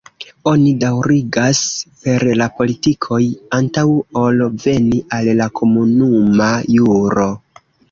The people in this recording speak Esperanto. Oni daŭrigas per la politikoj antaŭ ol veni al la komunuma juro.